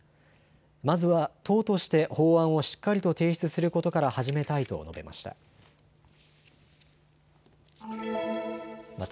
まずは党として法案をしっかりと提出することから始めたいと述べました。